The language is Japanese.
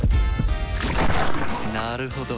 なるほど。